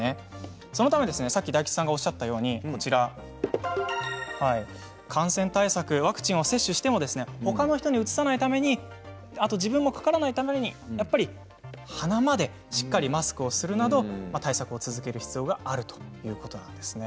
そのため先ほど、大吉さんがおっしゃったように感染対策、ワクチンを接種してもほかの人にうつさないために自分もかからないために鼻までしっかりマスクをするなど対策を続ける必要があるということなんです。